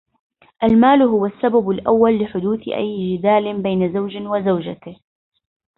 المال هو السبب الأول لحدوث أي جدال بين زوج وزوجته.